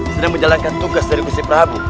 sedang menjalankan tugas dari kusip prabu